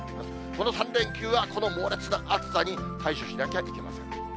この３連休は、この猛烈な暑さに対処しなきゃいけません。